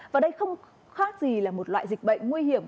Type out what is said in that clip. và đây không khác gì là một loại dịch bệnh nguy hiểm